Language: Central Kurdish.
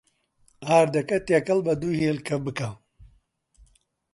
ئاردەکە تێکەڵ بە دوو هێلکە بکە.